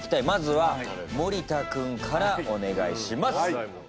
まずは森田君からお願いします。